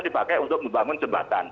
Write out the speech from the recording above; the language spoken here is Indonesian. dipakai untuk membangun jembatan